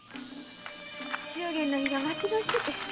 祝言の日が待ち遠しい。